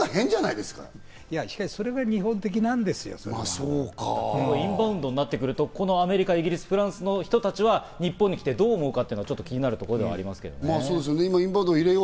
しかし、それが日本的なんでインバウンドになってくると、アメリカ、イギリス、フランスの人は日本に来てどう思うか気になるところではありますけどね。